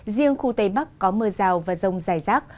riêng khu tây bắc có mưa rào và rông dài rác